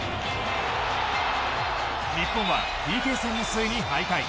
日本はＰＫ戦の末に敗退。